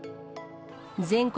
全国